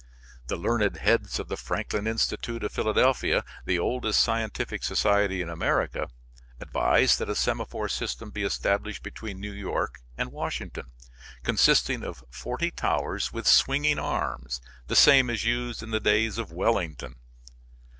The learned heads of the Franklin Institute of Philadelphia, the oldest scientific society in America, advised that a semaphore system be established between New York and Washington, consisting of forty towers with swinging arms, the same as used in the days of Wellington.